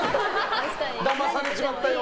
だまされちまったよ。